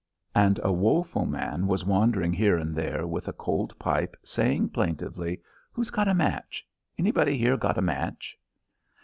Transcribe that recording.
And a woeful man was wandering here and there with a cold pipe, saying plaintively, "Who's got a match? Anybody here got a match?"